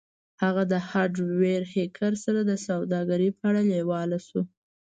هغه د هارډویر هیکر سره د سوداګرۍ په اړه لیواله شو